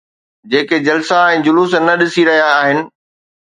جيڪي جلسا ۽ جلوس نه ڏسي رهيا آهن؟